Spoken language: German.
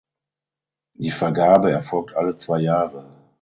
Die Vergabe erfolgt alle zwei Jahre.